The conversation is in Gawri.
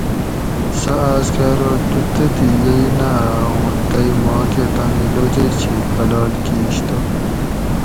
سۤہ آۤس کۤہ ارو تُو تتھیں یئ نہ آۤ اُوں تئ ماکۤہ تانی لوجئ چھیل حلال کِیش تہ